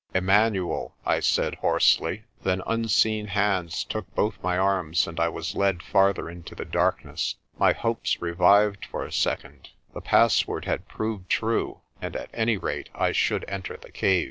"Immanuel," I said hoarsely. Then unseen hands took both my arms and I was led farther into the darkness. My hopes revived for a second. The password had proved true and at any rate I should enter the cave.